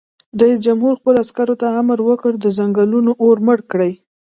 رئیس جمهور خپلو عسکرو ته امر وکړ؛ د ځنګلونو اور مړ کړئ!